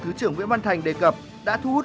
thứ trưởng nguyễn văn thành đề cập đã thu hút